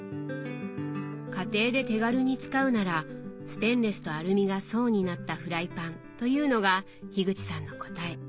家庭で手軽に使うならステンレスとアルミが層になったフライパンというのが口さんの答え。